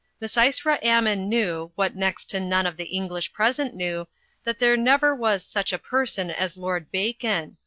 Misysra Ammon knew, what next to none of the English present knew, that there never was such a person as Lord Bacon.